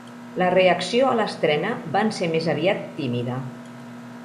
La reacció a l'estrena van ser més aviat tímida.